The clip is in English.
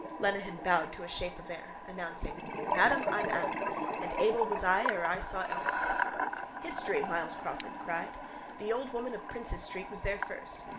Lenehan bowed to a shape of air, announcing: —Madam, I'm Adam. And Able was I ere I saw Elba. —History! Myles Crawford cried. The Old Woman of Prince's street was there first.